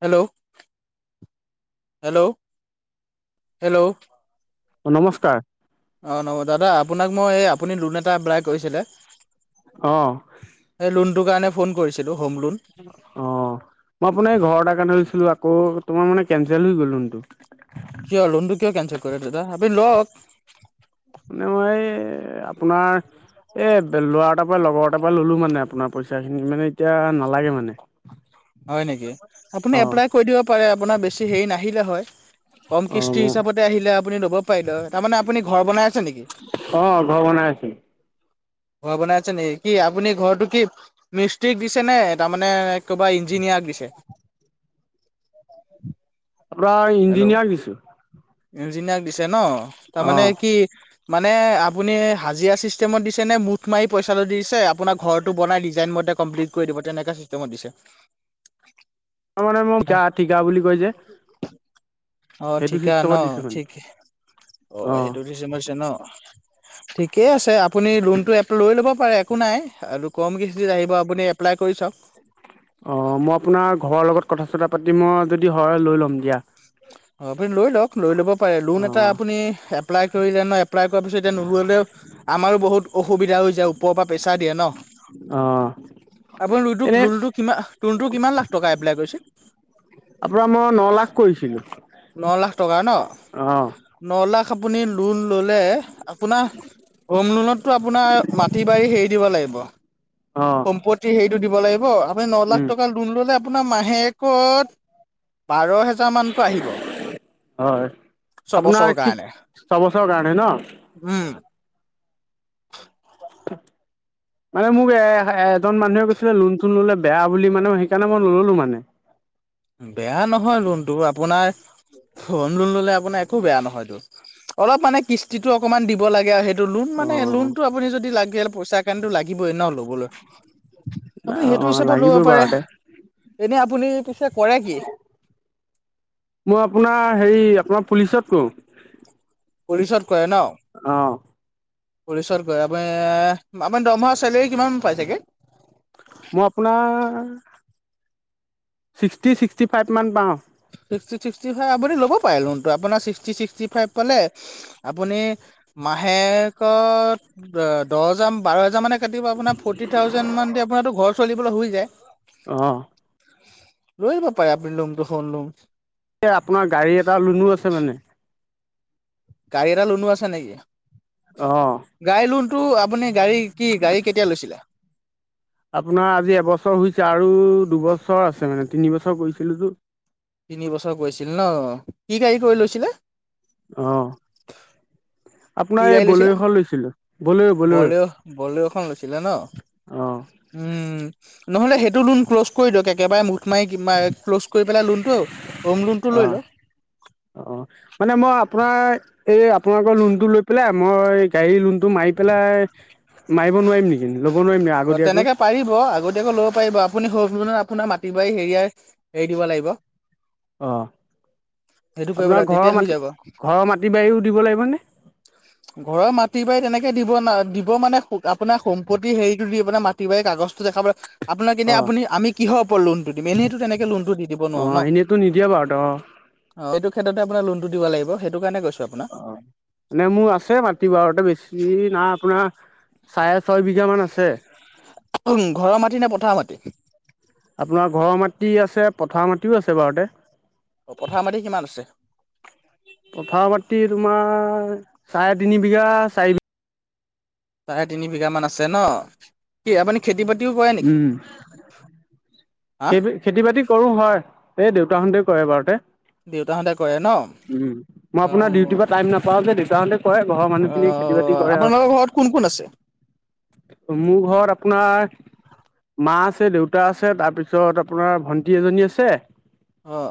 Hello hello hello! অ নমস্কাৰ। অঁ নব দাদা আপোনাক মই এই আপুনি লোন এটা এপ্লাই কৰিছিলে? অ। সেইটো কাৰণে ফোন কৰিছিলো। অ মই আপোনাৰ এই ঘৰ এটাৰ কাৰণে লৈছিলো আকৌ তোমাৰ মানে কেনচেল হৈ গল'লোনটো। কিয় লোনটো কিয় কেনচেল কৰে দাদা আপুনি লওক। মানে মই এই আপোনাৰ। এ ল'ৰাটাৰ পৰা লগৰটাৰ পৰা ললো মানে আপোনাৰ পইচা খিনি মানে এতিয়া নালাগে মানে। হয় নেকি আপুনি অ এপ্লাই কৰি দিব পাৰে আপোনাৰ বেছি হেৰি নাহিলে হয়। কম অ কিস্তি হিচাপতে আহিলে আপুনি ল'ব পাৰিলে হয়। তাৰমানে আপুনি ঘৰ বনাই আছে নেকি? অ ঘৰ বনাই আছো। ঘৰ বনাই আছে নেকি কি? আপুনি ঘৰৰতো কি মিস্ত্ৰীক দিছে নে তাৰমানে কিবা - আপোনাৰ ইঞ্জিনিয়াৰক দিছো। ইঞ্জিনিয়াৰ দিছে ন তাৰমানে কি অ মানে আপুনি হাজিৰা চিষ্টেমত দিছে নে মুঠ মাৰি পইচা লয় দি দিছে আপোনাৰ ঘৰটো বনাই ডিজাইন মতে কমপ্লিট কৰি দিব তেনেকে চিষ্টেমত দিছে? ত মানে মোক কা ঠিকা বুলি কৈজে অ ঠিকা ন ঠিক অ সেইটো দিছে মাৰছে ন। ঠিকে আছে আপুনি লোন টো এপ লৈ ল'ব একো নাই আৰু কম কিস্তিত আহিব আপুনি এপ্লাই কৰি চাওক। অ মই আপোনাৰ ঘৰৰ লগত কথা চতা পাতিম আৰু মই যদি হয় লৈ ল'ম দিয়া। অ আপুনি লৈ লওক লৈ ল'ব পাৰে অ লোন এটা আপুনি এপ্লাই কৰিলে ন এপ্লাই কৰাৰ পিছত এতিয়া নকলেও আমাৰো বহুত অসুবিধা হৈ যায় ওপৰৰ পৰা প্ৰেছাৰ দিয়ে অ ন। আপুনি লোটো এনে লোনটো কিমা কিমান লাখ টকা এপ্লাই কৰিছিল? আপোনাৰ মই ন লাখ কৰিছিলো। ন লাখ টকা ন ন লাখ অ', ন লাখ আপুনি লোন ল'লে আপোনাৰ হোম লোনতো আপোনাৰ মাটি বাৰী হেৰি দিব লাগিব। অ', সম্পত্তি হেৰিটো দিব লাগিব আপুনি ন লাখ উম, টকা লোন ললে আপোনাৰ মাহেকত বাৰ হেজাৰ মান ত আহিব। হয় ছবছৰৰ আপোনাৰ কি কাৰণে ছবছৰৰ কাৰণে ন? উম [inaudible] মানে মোক এ এজন মানুহে কৈছিলে লোন চোন ললে বেয়া বুলি মানে সেইকাৰণে মই নললো মানে। [inaudible] বেয়া নহয় লোনটো আপোনাৰ হোম লোন ললে আপোনাৰ একো বেয়া নহয়টো অলপ মানে কিস্তিটো অকমান দিব লাগে সেইটো লোন মানে অ', লোনতটো আপুনি যদি লাগে পইচা কাৰণো লাগিবই ন ল'বলৈ। আপুনি সেইটো অ', হিচাপত লব লাগিবই পাৰে। বাৰুতে এনে আপুনি পিছে কৰে কি? মই আপোনাৰ হেৰি আপোনাৰ পুলিচত কৰো। পুলিচত কৰে ন? পুলিচত কৰে আপ এ আপোনাৰ দৰমহাৰ চেলেৰি কিমান পাই চাগে? মই আপোনাৰ ছিক্সটি ছিক্সটি ফাইভ মান পাওঁ। ছিক্সটি ছিক্সটি ফাইভ আপুনি ল'ব পাৰে লোনটো আপোনাৰ ছিক্সটি ছিক্সটি ফাইভ পালে আপুনি মাহেকত দহ হজাৰ বাৰ হজাৰ মানে কাটিব আপোনাৰ ফৰ্টি থাউজেন মান আপোনাৰতো ঘৰ চলিবলৈ হৈ যায়। অঁ। লৈ লব পাৰে আপনি কোনটো হোম লোন - এ আপোনাৰ গাড়ী এটা লুনো আছে মানে। গাড়ী এটা লুনু আছে নেকি? অ'। গাড়ী লোনতটো আপুনি গাড়ী কি গাড়ী কেতিয়া লৈছিলে‌? আপোনাৰ আজি এবছৰ হৈছে আৰু দুবছৰ আছে মানে তিন বছৰ কৰিছিলোতো। তিনি বছৰ গৈছিল ন। কি গাড়ী কৰি লৈছিলে? অঁ। কি গাড়ী লৈছিলে বলেৰো বলেৰুখন লৈছিলে ন? অ', উম নহলে সেইটো লোন ক্ৰলজ কৰি দিয়ক একেবাৰে। মাৰ কি ক্ল'জ কৰি পেলাই লোনটো হোম লোনটো লৈ অ', ল। অ', মানে মই আপোনাৰ এই আপোনালোকৰ লোনটো লৈ পেলাই মই গাড়ী লোনটো মাৰি পেলাই। মাৰিব নোৱাৰিম নেকি? ল'ব নোৱাৰিম নেকি অ আগতীয়াকৈ তেনেকে পাৰিব আগতীয়াকৈ ল'ব পাৰিব আপুনি স আপোনাৰ মা। প্ৰতিবাৰী হেৰিয়াৰ হেৰি দিব লাগিব। অঁ। সেইটো কৰিব আপোনাৰ লাগিব ঘৰৰ তেতিয়া হৈ মাটি যাব ঘৰৰ মাটি বাৰীও দিব লাগিব নে? ঘৰৰ মাটি বাৰী তেনেকে। দিব ন দিব মানে আপোনাৰ সম্পত্তি হেৰিতটো দি আপোনে মাটি বাৰী কাগজটো দেখাব প। আপোনাক এনে অ', আপুনি আমি কিহৰওপৰত লোনটো দিম এনেইতো তেনেকৈ লোনটো দি দিব নোৱাৰোঁ ন? পদ। অ এইটো ক্ষেত্ৰতে আপোন লোনটো দিব লাগ সেইটো কাৰণে গৈচো। অঁ, মানে মোৰ আছে মাতিব আৰু বেছি নাই আপোনাৰ। চাৰে ছয় বিঘা মান আছে। উ ঘৰৰ মাটি নে পথাৰ মাটি। আপোনাৰ ঘৰৰ মাটি আছে পথাৰ মাটিও আছে বাৰুতে। অ পথাৰ মাৰি কিমান আছে। পথাৰ মাটি তোমাৰ চাৰে তিনি বিঘা চাৰি বিঘা। চাৰে তিনি বিঘা মান আছে ন কি আপুনি। খেতি বাতিও কৰে নেকি? হা খ খেতি বাতি কৰো হয় এই দেউতাহতে কয় বাৰু তে। দেউতাহঁতে কৰে ন উম মই অ আপোনাৰ ডিউটিৰ পৰা টাইম নাপাও যে দে। কৰে ঘৰৰ অ মানুহ খিনিয়ে খেতি বাতি কৰে আৰু। আপোনালোকৰ ঘৰত কোন কোন আছে মোৰ ঘৰত আপোনাৰ মাছ। আ দেউতা আছে তাৰপিছত আপোনাৰ ভন্টি এজনী আছে। অঁ।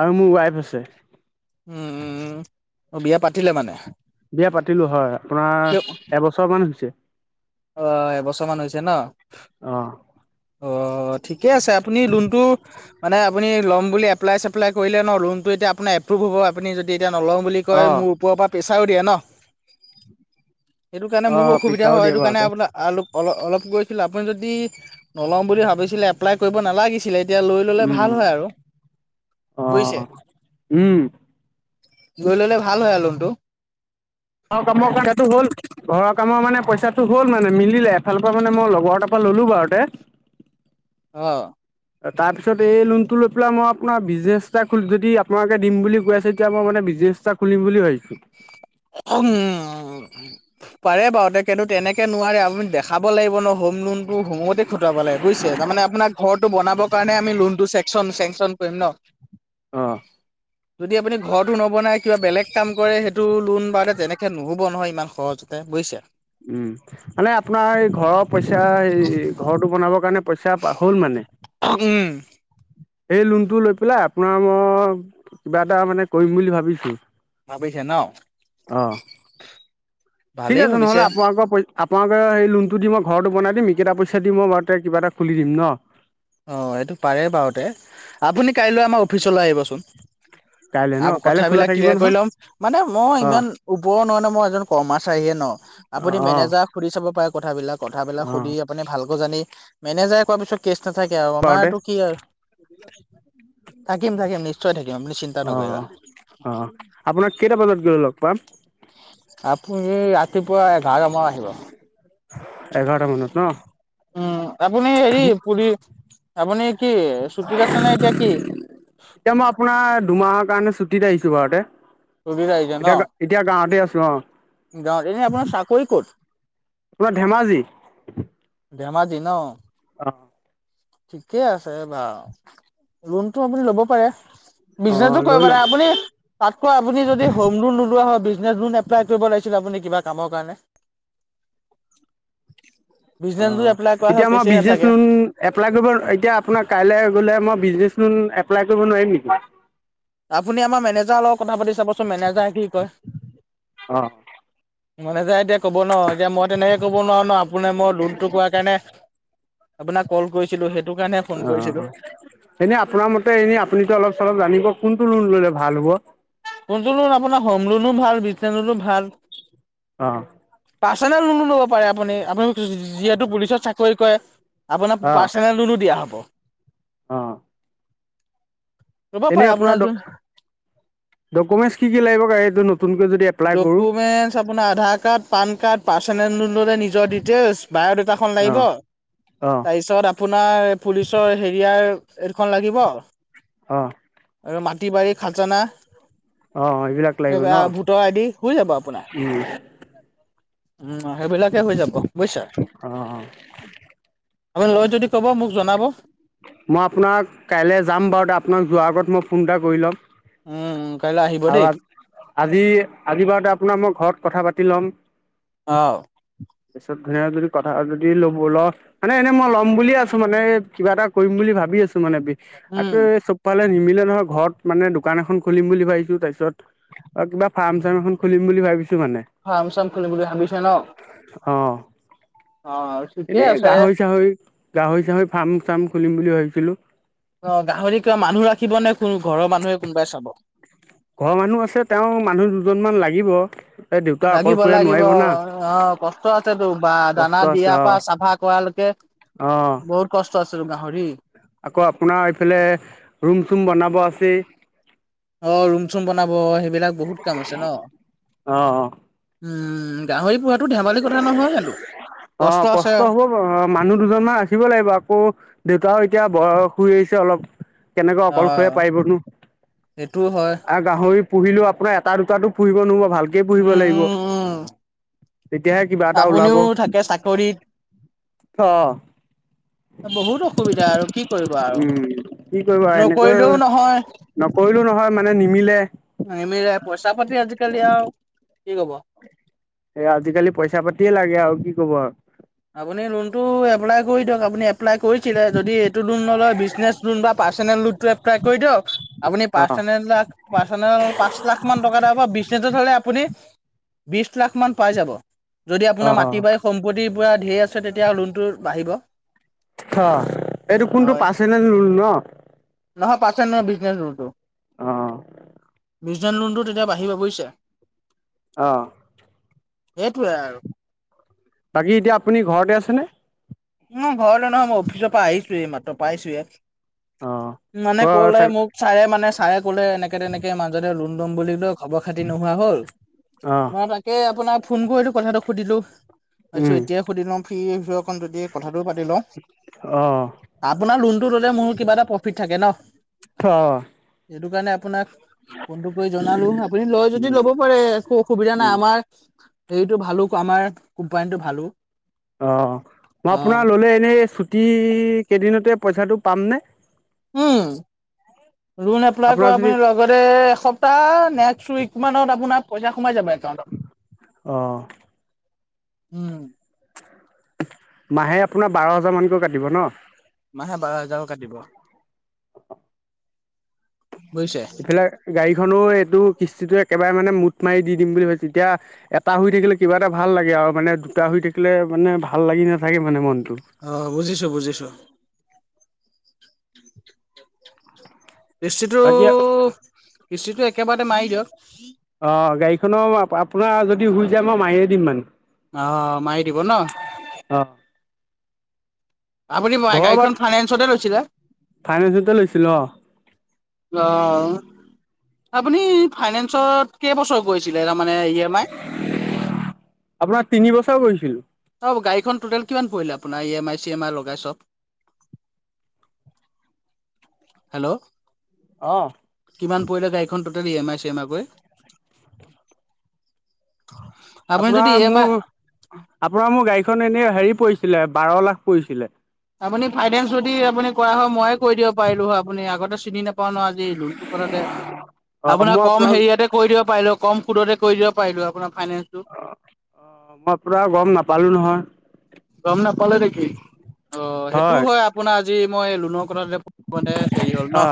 আৰু মোৰ ৱাইফ আছে। উম উম বিয়া পাতিলে মানে। বিয়া পাতিলো হয় আপোনাৰ এবছৰ মান হৈছে। অ এবছৰমান হৈছে ন? অ'। অ ঠিকে আছে আপুনি লোনটো। মানে আপুনি ল'ম এপ্ল ছেপ্লাই কৰিলে ন ল'মটো এতিয়া আপোনাৰ এপ্ৰভ হ'ব আপুনি যদি। এতিয়া নলওঁ বুলি কয় অ', মোৰ ওপৰৰ পৰা প্ৰেছাৰো দিয়ে ন। সেইটো কাৰণে মোৰো অ', অসুবিধা পিছাও হয় দিয়ে সেইটো কাৰণে বাৰুতে আপোনাৰ আলপ অলপ অলপ গৈছিলো আপুনি যদি নল'ম বুলি ভাবিছিলে এপ্লাই কৰিব নালাগিছিলে। এতিয়া লৈ ল'লে উম, ভাল হয় আৰু বুজিছে। অ'। উম গৈ ললে ভাল হয় আলোনটো। ঘ কামৰটো হ'ল ঘৰৰ কামৰ মানে পইচাটো হ'ল মানে মিলে এফালৰ পৰা মানে মই লগৰ এটা পা ললো বাৰু তে অ তাৰপিছত এই লুনটোল পেলাই মই আপোনাৰ বিজনেছ যদি আপোনালোকে দিম বুলি কৈ আছে এতিয়া মই মানে বিজনেছটা খুলিম বুলি ভাবিছো। উম পাৰে বাৰু তে কিন্তু তেনেকে নোৱাৰে আপুনি দেখাব লাগিব ন। হম লোনটো হোম খুটাব লে বুজছে তাৰ মে আপোনাৰ ঘৰটো বনাব কাৰণে আমি লোন টো চেন চন কৰিম ন। আহ যদি আপুনি ঘৰটো নবনাই কিবা বেলেগ কাম কৰে সেইটো কোন বাে তেনেকে নুহ'ব নহয় ইমান সহজতে বুজিছে। উম মানে আপোনাৰ এই ঘৰৰ পইচা এই ঘৰটো বনাব পইচা হ'ল মানে। উম সেই লোনটো লৈ পেলাই আপোনাৰ মই কিবা এটা মানে কৰিম বুলি ভাবিছোঁ। ভাবিছে ন। অঁ ঠিক ভালেই আছে ভাবিছে নহ'লে আপোনালোকৰ প আপোনালোকে সেই লোনটো দি মই ঘৰতো বনাই দিম এইকেইটা পইচা দি মই বাৰুতে কিবা এটা খুলি দিম ন। অঁ এইটো পাৰে বাৰুতে আপুনি কাইলৈ আমাৰ অফিচলৈ আহিবচোন। কাইলৈ ন আৰু কাইলৈ খোলা কথাবিলাক থাকিব ক্লিয়াৰ কৰি নহয় ল'ম মানে মই অঁ ইমান ওপৰ ন নে মই এজন কৰ্মাচাৰে ন আপুনি অঁ অঁ মেনেজাৰক সুধি চাব পাৰে কথাবিলাক কথাবিলাক অঁ সুধি আপুনি ভাল। আ জানি মেনেজাৰে কোৱাৰ পিছত কেচ নাথাকে আৰু আমাৰতটো কি আৰু থাকিম থাকিম নিশ্চয় থাকিম আপুনি চিন্তা উ অ নকৰিবা অ আপোনাৰ কেইটা বজাত গৈলও। পাত আপুনি ৰাতিপুৱা এক এঘাৰটা মানত ন। উম আপুনি হেৰি পুৰি আপুনি কি চুটিত আছে নে এতিয়া কি? এতিয়া মই আপোনাৰ দুমাহৰ কাৰণে চু ত আহিছো বাৰতে ছুটিত আহিছে ন এতিয়াা এতিয়া গাঁৱতে আছো অ এনে আপোনাৰ চাকৰি ক'ত? আপোনাৰ ধেমাজি ধেমাজি ন। অঁ। ঠিকেই আছে বা লোনতটো আপুনি ল'ব পাৰে। অ বিজনেচো লৈ কৰিব নাৰে ল'ম আপুনি তাতকৈ আপুনি যদি হোম লোন নোলোৱা হয়। জুন এপ্লাই কৰিব লাগিছিলে আপুনি কিবা কামৰ কাৰণে অ বিজনেছ লোন এপ্লাই কৰা এতিয়া হয় আমাৰ কেছেই বিজনেচ নাথাকে লোন এপ্লাই কৰিব এতিয়া আপোনাৰ কাইলৈ গলে মই বিজনেচ লোন এপ্লাই কৰিব নোৱাৰিম নেকি? আপুনি আমাৰ মেনেজাৰৰ লগত কথা পাতি চাবচোন মেনেজাৰে কি কয়? অ অ মানেজাৰ এতিয়া ক'ব ন এতিয়া মই তেনেকে ক'ব নোৱাৰোঁ ন আপুনি মই লোনটো কোৱাৰ কাৰণে আপোনাক কল কৰিছিলো সেইটো কাৰণে ফোন অ কৰিছিলো অ এনে আপোনাৰ মতে এনে আপুনিতো অলপ চলপ জানিব কোন কোনটো লোন ললে ভাল হব। কোনটো লোন আপোনাৰ হোম লোনো ভাল বিছনেচ লোনো ভাল। অ পাৰ্চনেল লোনো লব পাৰে আপুনি আপুনি যিহেতু পুলিচত চাকৰি কৰে। আপোনাক অ পাৰ্চনেল লোনো দিয়া হ'ব। অ ৰ'বা পাৰে আপোনাৰ যোন ডকুমেণ্ট কি লাগিব সেইটো? ডকুমেন্ট আপোনাৰ Aadhaar card pan card personal নিজৰ ডিটেইলছ বায় খন অ লাগিব অঁ তাৰপিছত আপোনাৰ পুলিচৰ সেৰিয়াৰ এইখন লাগিব। অ। আৰু মাটি বাৰী খাজানা অ এইবিলাক লাগিব ন। ভোটৰ যাব আপোনাৰ উম উ সেইবিলাকে হৈ যাব। বুজিছা। অ। আ লয় যদি। ক'ব মোক জনাব। মই আপোনাক কাইলে যাম বাৰু তে আপোনাক যোৱাৰ আগত মই ফোন এটা কৰি ল'ম। উম। কাইলৈ আহিব দেই। আৰু আজি আজি বাৰতে আপোনাৰ মই ঘৰত কথা পাতি লম। অ। তাৰপিছত ধুনিয়া যদি কথা যদি ল'ব ল মানে এনেই মই ল'ম বুলিয়ে আছো মানে কিবা এটা কৰিম বুলি। ভাবি আছো মানে। আক উম, চবফালে নিমিলে নহয় ঘৰত মানে দোকান এখন খুলিম বুলি ভাবিছো। তাৰ পিছত আৰু কিবা ফাৰ্ম চাৰ্ম এখন খুলিম বুলি ভাবিছো। মানে ফাৰ্ম চাৰ্ম খুলিম বুলি ভাবিছে ন? [unintelligible] অ', ঠিকে এনেই আছে। গাহৰি চাহৰি, গাহৰি চাহৰি ফাৰ্ম চাৰ্ম খুলিম বুলি ভাবিছিলোঁ। অ গাহৰি কিবা মানুহ ৰাখিব নে কোন ঘৰৰ মানুহে কোনোবাই চাব? ঘৰৰ মানুহ আছে তেওঁ মানুহ দুজন মান লাগিব। এই দেউতা লাগিব অকলশৰীয়া লাগিব নোৱাৰিব না অ কষ্ট আছেতো। বা কষ্ট দানা আছে দিয়াৰ অ পৰা চাফা কৰা লৈকে। অ। কষ্ট আছে টো গাহৰি। আকৌ আপোনাৰ এইফালে ৰুম চুম বনাব আছেই। অ ৰুম চুম বনাব সেইবিলাক বহুত কাম আছে ন। অ উম গাহৰি পোহাটো ধেমালি কথা নহয় কিন্তু। অ কষ্ট হব বা মানুহ দুজন মান ৰাখিব লাগিব। আকৌ দেউতাও এতিয়া বয়স হৈ আহিছে অলপ কেনেকৈ অ অকলশৰে পাৰিবনো। সেইটোও হয় আৰু গাহৰি পুহিলেও আপোনাৰ এটা দুটাতো পুহিব নহব ভালকে পুহিব উম লাগিব। উম উম তেতিয়াহে কিবা এটা ওলাব আপুনিও অ থাকে চাকৰিত। বহুত অসুবিধা আৰু কি কৰিব আৰু উম। কি কৰিবা এনেকৈ নকৰিলেও নহয় নকৰিলো নহয় মানে নিমিলে। নিমিলে পইচা পাতি আজিকালি আও কি কব। এ আজিকালি পইচা পাতিয়ে লাগে আৰু কি কব আৰু। কৈ দিওক আপুনি এপলাই কৰিছিলে যদি এইটো লোণ নলয় বিজনেছ লোণ বা পাৰ্চেনেল লুটটো এপলাই কৰি দিয়ক। আপুনি অ', পাৰ্চনেলদাক পাৰ্চনেল পাঁচ লাখ মান টকা এটা পাব। বিজনেচত হলে আপুনি বিশ লাখ মান পাই যাব যদি আপোনাৰ মাটি, অ', বাৰী সম্পত্তি পুৰা ধেৰ আছে তেতিয়া লোণটো বাঢ়িব। অ এইটো কোনটো হয় পাছেনেল লোণ ন? নহয় পাচত নহয় বিজনেছ লোণটো। অ। বিজনেছ লোনটো তেতিয়া বাঢ়িব বুজিছে? অহ। সেইটোৱে আৰু। বাকী এতিয়া আপুনি ঘৰতে আছেনে? উম ঘৰলে নহয় মই অফিচৰ পৰা আহিছোৱে মাত্ৰ পাইছোয়ে। অ', ক মানে কলে চাগ মোক ছাৰে মানে ছাৰে কলে এনেকে তেনেকে মাজতে লোণ। লম বুলি লৈ খবৰ খাতি নোহোৱা হল। অ', নহ তাকে আপোনাৰ- ফোন কৰিতো কথাটো সুধিলো। ভাবিছো উম, এতিয়াই সুধি লওঁ ফ্ৰী সিঅকন দুদিন। কথাটো পাতি লওঁ। অ', আপোনাৰ লোনটো ললে মোৰ কিবা এটা প্ৰফিট থাকে। -ন অ। সেইটো কাৰণে আপোনাক। ফোনটো কৰি জনালো। আপুনি লয় যদি লব পাৰে একো অসুবিধা নাই আমাৰ। হেৰিটো ভালো আমাৰ কোম্পানীটো ভালো। অঁ। মই অ আপোনাৰ ল'লে এনেই ছুটী কেইদিনতে পইচাটো পামনে? উম। লোন এপ্লাই আপোনাৰ কৰা যদি আপুনি লগতে এসপ্তাহ নেক্সট উইক মানত আপোনাক- পইচা সোমাই যাব। একাউণ্টত অহ। উম। মাহে আপোনাৰ বাৰ হাজাৰমানকৈ কাটিব ন? মাহে বাৰ হাজাৰ কাাটিব। এইফালে গাড়ীখনো এইটো কিস্তিটো একেবাৰে মানে মোঠ মাৰি দি দিম বুলি ভাবিছ এতিয়া এটা হুই থাকিলে কিবা এটা ভাল লাগে আৰু মানে দুটা হুই থাকিলে মানে ভাল লাগি নাথাকে মানে মনটো। অ, বুজিছো - বুজিছো। বাকী কিষ্টিটো- কিষ্টিটো একেবাৰতে মাৰি দিয়ক। অ, গাড়ীখনৰ আপোনাৰ যদি শুই যায় মই মাৰিয়ে দিম মানে। আহ, মাৰি দিব ন। অ', আপুনি গাড়ীখন ঘৰবাত ফাইনেন্সতে লৈছিলে? ফাইনেন্সতে লৈছিল অ, অ, আপুনি ফাইনেন্সত কেইবছৰ গৈ আছিল। মানে ই এম আই। আপোনাৰ তিনি বছৰ কৰিছিলো গাড়ীখন টটেল কিমান পৰিলে আপোনাৰ E M I C M I লগাই চব। হেল্ল', অ কিমান পৰিলে গাড়ীখন? Total E M I C M I গৈ। আপোনাৰ মোৰ - আপোনাৰ মোৰ গাঢ়ি এইখন এনেই হেৰি পৰিছিলে বাৰ লাখ পৰিছিলে। আপুনি ফাইনেন্স যদি আপুনি কৰা হয় ময়ে কৰি দিব পাৰিলো হয় আপুনি আগতে চিনি নাপ পাৱা নাৱা যে আজি লোন টো কতে অ আপোনাৰ মই কম আপোনাক হেৰিয়াতে কৈ দিয়ক পাৰিলো কম সোডতে কৰি দিব পাৰিলো আপোনাক। অ - অ মই পুৰা গম নাপালো নহয়। গম নাপালে নেকি? অ, সেইটো হয় আপোনাৰ আজি মই লোনৰ কথা মানে হেৰি হ'ল অ ন।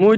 মোৰ